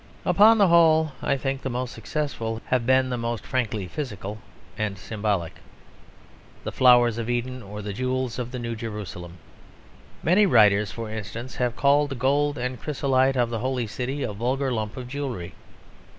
Upon the whole, I think, the most successful have been the most frankly physical and symbolic; the flowers of Eden or the jewels of the New Jerusalem. Many writers, for instance, have called the gold and chrysolite of the Holy City a vulgar lump of jewellery.